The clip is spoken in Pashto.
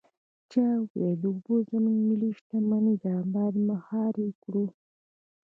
پاچا وويل: اوبه زموږ ملي شتمني ده بايد مهار يې کړو.